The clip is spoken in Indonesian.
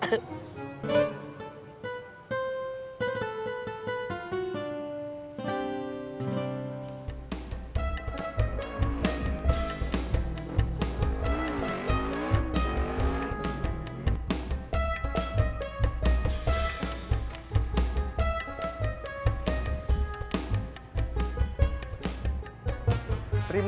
semua tari siap satu